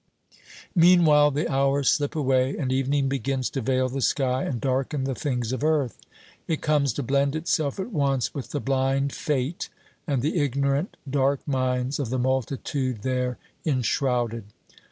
Meanwhile, the hours slip away, and evening begins to veil the sky and darken the things of earth. It comes to blend itself at once with the blind fate and the ignorant dark minds of the multitude there enshrouded.